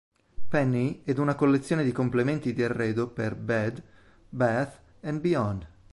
Penney ed una collezione di complementi di arredo per Bed, Bath and Beyond.